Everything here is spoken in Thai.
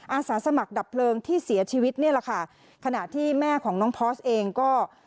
อาสาสมัครดับเพลิงที่เสียชีวิตเนี่ยแหละค่ะขณะที่แม่ของน้องพอร์สเองก็